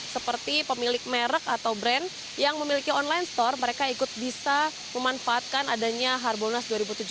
seperti pemilik merek atau brand yang memiliki online store mereka ikut bisa memanfaatkan adanya harbolnas dua ribu tujuh belas